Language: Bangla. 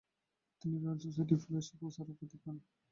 তিনি রয়াল সোসাইটির ফেলোশিপ ও স্যার উপাধি পান।